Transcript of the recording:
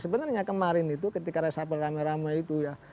sebenarnya kemarin itu ketika reshuffle rame rame itu ya